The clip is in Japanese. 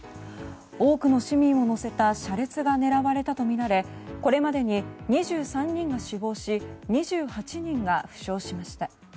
多くの市民を乗せた車列が狙われたとみられこれまでに２３人が死亡し２８人が負傷しました。